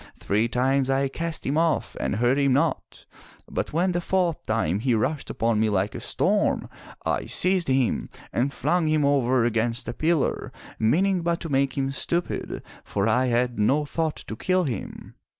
Three times I cast him off and hurt him not, but when the fourth time he rushed upon me like a storm, I seized him and flung him over against a pillar, meaning but to make him stupid, for I had no thought to kill him.